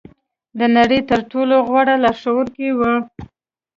د نړۍ تر ټولو غوره لارښوونکې وي.